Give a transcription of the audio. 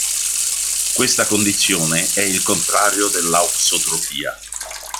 Questa condizione è il contrario dell'auxotrofia.